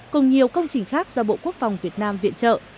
cùng nhiều công trình khác do bộ quốc phòng việt nam viện trợ